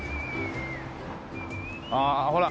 ああほら。